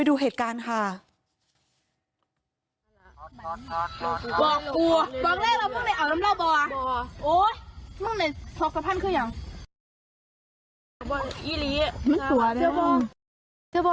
เชียวบอ